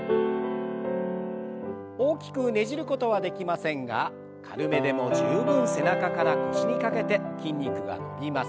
大きくねじることはできませんが軽めでも十分背中から腰にかけて筋肉が伸びます。